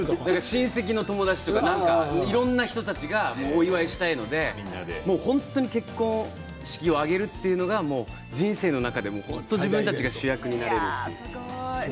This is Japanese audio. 親戚の友達とかいろいろな人がお祝いしたいので本当に結婚式を挙げるというのが、人生の中でも自分たちが主役になれる。